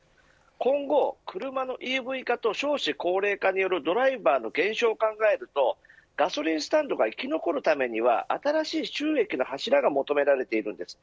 今後、車のＥＶ化と少子高齢化によるドライバーの減少を考えるとガソリンスタンドが生き残るためには新しい収益の柱が求められているんです。